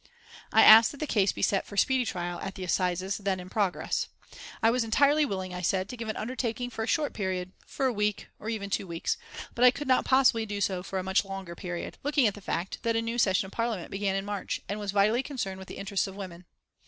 I asked that the case be set for speedy trial at the Assizes then in progress. I was entirely willing, I said, to give an undertaking for a short period, for a week, or even two weeks, but I could not possibly do so for a much longer period, looking at the fact that a new session of Parliament began in March, and was vitally concerned with the interests of women.